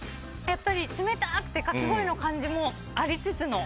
冷たくてかき氷の感じもありつつの。